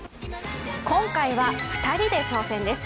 今回は２人で挑戦です。